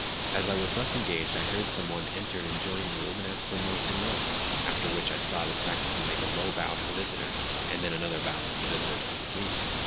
As I was thus engaged I heard some one enter an adjoining room and ask for Monsignor; after which I saw the sacristan make a low bow to the visitor, and then another bow as the visitor took his leave.